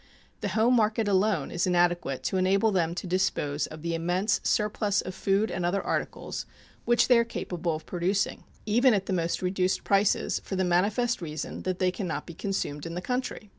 The home market alone is inadequate to enable them to dispose of the immense surplus of food and other articles which they are capable of producing, even at the most reduced prices, for the manifest reason that they can not be consumed in the country.